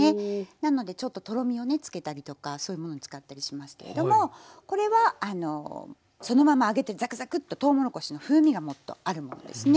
なのでちょっととろみをねつけたりとかそういうものに使ったりしますけれどもこれはそのまま揚げてザクザクッととうもろこしの風味がもっとあるものですね。